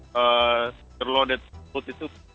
sayur lodeh tersebut itu berkaitan